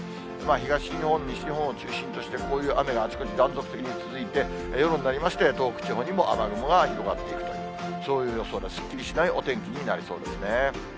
東日本、西日本を中心としてこういう雨があちこち、断続的に続いて、夜になりまして、東北地方にも雨雲が広がっていくという、そういう予想で、すっきりしないお天気になりそうですね。